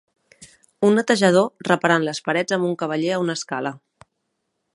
Un netejador reparant les parets amb un cavaller a una escala.